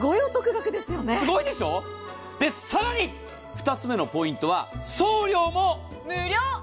すごいでしょう、さらに、２つ目のポイントは送料も無料。